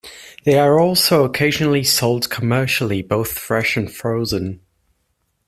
They are also occasionally sold commercially both fresh and frozen.